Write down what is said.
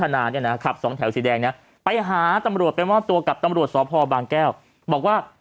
มีตั้นน่ะไปหาตำรวจไปมศตัวกับตำรวจสอภาร์บางแก้วบอกว่า